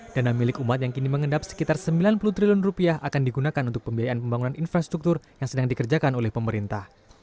dana milik umat yang kini mengendap sekitar sembilan puluh triliun rupiah akan digunakan untuk pembiayaan pembangunan infrastruktur yang sedang dikerjakan oleh pemerintah